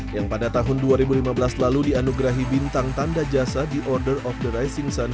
yang pada tahun dua ribu lima belas lalu dianugerahi bintang tanda jasa di order of the rising sun